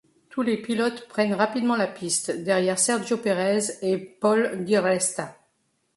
Tous les pilotes prennent rapidement la piste, derrière Sergio Pérez et Paul di Resta.